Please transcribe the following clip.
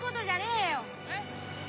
えっ？